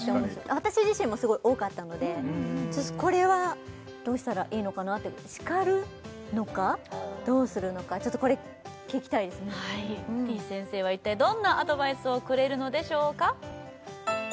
私自身もすごい多かったのでこれはどうしたらいいのかなって叱るのかどうするのかちょっとこれ聞きたいですねてぃ先生は一体どんなアドバイスをくれるのでしょうか？